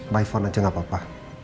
by phone aja nggak apa apa